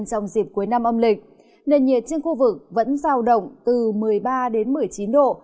trong dịp cuối năm âm lịch nền nhiệt trên khu vực vẫn giao động từ một mươi ba đến một mươi chín độ